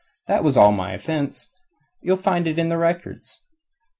That was all my offence. You'll find it in the records.